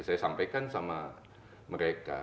saya sampaikan sama mereka